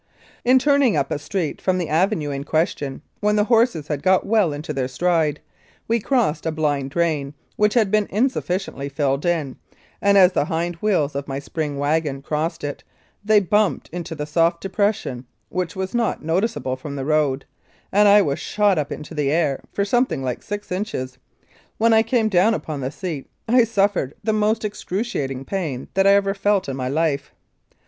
In turning up a street from the avenue in question, when the horses had got well into their stride, we crossed a blind drain which had been insufficiently filled in, and as the hind wheels of my spring wagon crossed it they bumped into the soft depression, which was not notice able from the road, and I was shot up into the air for something like six inches. When I came down upon the seat I suffered the most excruciating pain that I ever felt in my life.